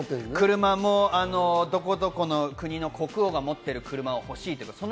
車もどこどこの国の国王が持っている車を欲しいとか。